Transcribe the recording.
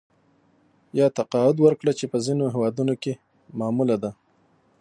یا تقاعد ورکړه چې په ځینو هېوادونو کې معموله ده